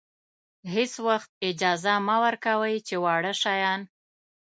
هېڅ وخت اجازه مه ورکوئ چې واړه شیان.